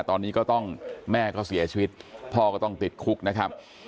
ตอนนี้ก็ต้องแม่ก็เสียชีวิตพ่อก็ต้องติดคุกนะครับ